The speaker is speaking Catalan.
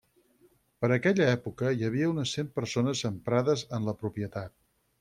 Per aquella època hi havia unes cent persones emprades en la propietat.